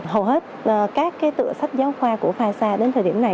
hầu hết các tựa sách giáo khoa của phai sa đến thời điểm này